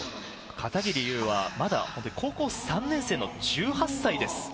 片桐悠は高校３年生の１８歳です。